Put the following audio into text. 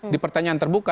di pertanyaan terbuka